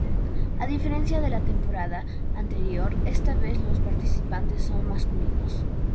A diferencia de la temporada anterior, esta vez los participantes son masculinos.